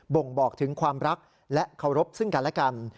่งบอกถึงความรักและเคารพซึ่งกันและกัน